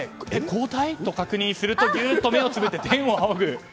交代を確認するとぎゅっと目をつぶって天を仰ぐ。